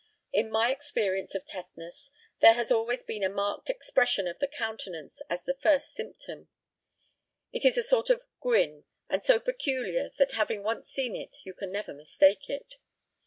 In my experience of tetanus there has always been a marked expression of the countenance as the first symptom. It is a sort of grin, and so peculiar, that having once seen it you can never mistake it.